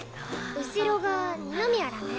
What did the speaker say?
後ろが二宮らね。